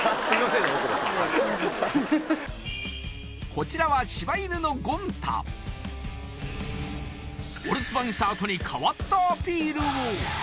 こちらはお留守番したあとに変わったアピールを！